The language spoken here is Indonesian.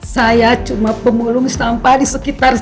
saya cuma pemulung sampah di sekitar sini